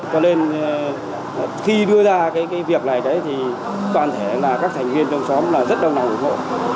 cho nên khi đưa ra việc này toàn thể các thành viên trong xóm rất đông nàng ủng hộ